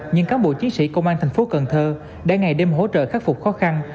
những cám bộ chiến sĩ công an tp cn đã ngày đêm hỗ trợ khắc phục khó khăn